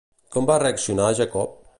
Com va reaccionar Jacob?